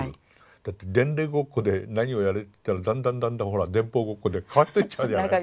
だって伝令ごっこで「何をやれ」って言ったらだんだんだんだんほら電報ごっこで変わってっちゃうじゃないですか。